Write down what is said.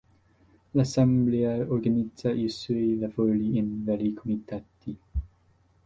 L'assemblea organizza i suoi lavori in vari comitati.